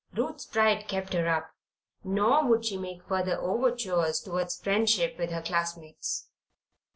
Ruth's pride kept her up, nor would she make further overtures toward friendship with her classmates.